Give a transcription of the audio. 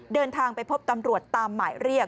เดินทางไปพบตำรวจตามหมายเรียก